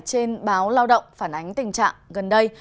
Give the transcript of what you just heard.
trên báo lao động phản ánh tình trạng gần đây